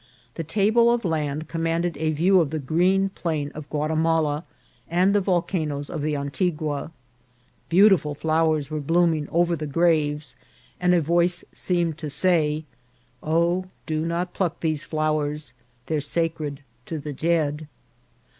The table of land commanded a view of the green plain of Guatimala and the volcanoes of the Antigua. Beautiful flowers were blooming over the graves, and a voice seemed to say, " Oh do not pluck these flowers, They're sacred to the dead."